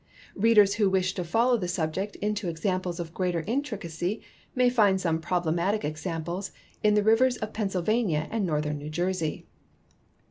Readers who wish to fol low the subject into examples of greater intricacy may find some problematic examples in the rivers of Penns^dvania and northern New Jersey.